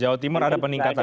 jawa timur ada peningkatan